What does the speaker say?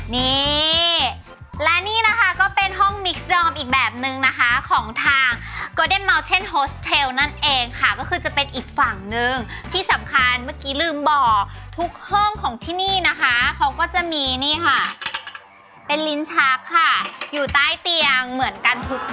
นี่และนี่นะคะก็เป็นห้องมิกสดอมอีกแบบนึงนะคะของทางโกเดนเมาเทนโฮสเทลนั่นเองค่ะก็คือจะเป็นอีกฝั่งนึงที่สำคัญเมื่อกี้ลืมบอกทุกห้องของที่นี่นะคะเขาก็จะมีนี่ค่ะเป็นลิ้นชักค่ะอยู่ใต้เตียงเหมือนกันทุก